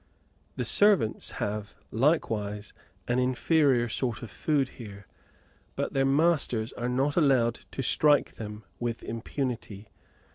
The servants have, likewise, an inferior sort of food here, but their masters are not allowed to strike them with impunity.